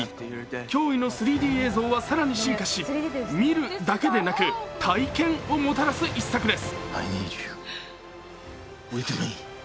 驚異の３Ｄ映像はさらに進化し見るだけでなく体験をもたらす一作です。